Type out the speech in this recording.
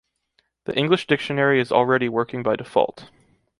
The English dictionary is already working by default.